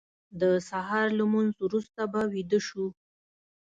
د سهار لمونځ وروسته به ویده شو.